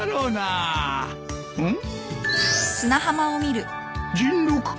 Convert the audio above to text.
うん？